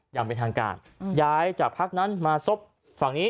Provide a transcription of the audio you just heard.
ยำเป็นทางการยาใช่จากพรรคนั้นมาสบฝั่งนี้